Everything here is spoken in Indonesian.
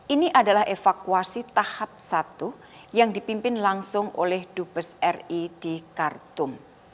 ini adalah evakuasi tahap satu yang dipimpin langsung oleh dubes ri di khartum